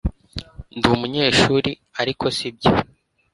ndi umunyeshuri, ariko sibyo